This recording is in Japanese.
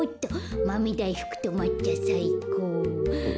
マメだいふくとまっちゃさいこう。